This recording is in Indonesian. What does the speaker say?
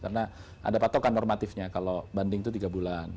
karena ada patokan normatifnya kalau banding itu tiga bulan